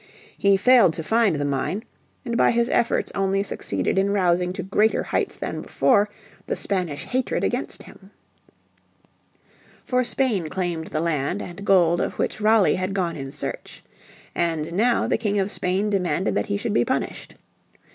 He failed to find the mine, and by his efforts only succeeded in rousing to greater heights than before the Spanish hatred against him. For Spain claimed the land and gold of which Raleigh had gone in search. And now the King of Spain demanded that he should be punished.